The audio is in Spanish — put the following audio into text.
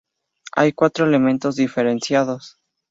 Hay cuatro elementos diferenciados.